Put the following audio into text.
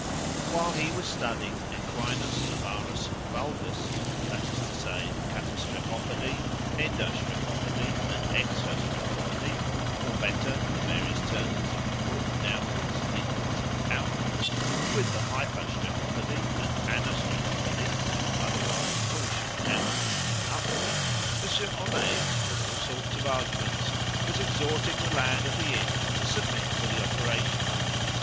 While he was studying equinus, varus, and valgus, that is to say, katastrephopody, endostrephopody, and exostrephopody (or better, the various turnings of the foot downwards, inwards, and outwards, with the hypostrephopody and anastrephopody), otherwise torsion downwards and upwards, Monsier Homais, with all sorts of arguments, was exhorting the lad at the inn to submit to the operation.